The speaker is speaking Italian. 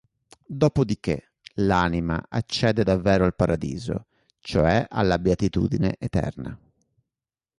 Dopodiché, l'anima accede davvero al Paradiso, cioè alla beatitudine eterna.